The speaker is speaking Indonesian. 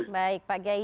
baik pak gaya